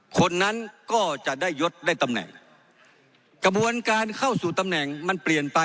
คนนั้นก็จะได้ยดได้ตำแหน่งกระบวนการเข้าสู่ตำแหน่งมันเปลี่ยนไป